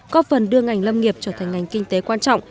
có phần đưa ngành lâm nghiệp trở thành ngành kinh tế quan trọng